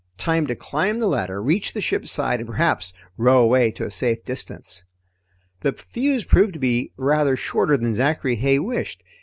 Time to climb the ladder, reach the ship's side, and perhaps row away to a safe distance. The fuse proved to be rather shorter than Zachary Heigh wished.